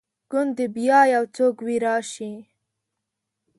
ګوندي بیا یو څوک وي راشي